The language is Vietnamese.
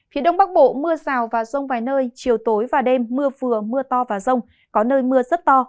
phía đông bắc bộ mưa rào và rông vài nơi chiều tối và đêm mưa vừa mưa to và rông có nơi mưa rất to